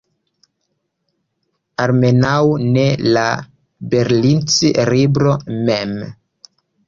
Almenaŭ ne la Berlitz-libro mem.